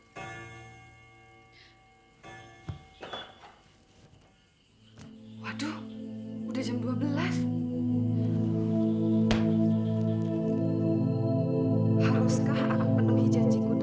sampai jumpa di video selanjutnya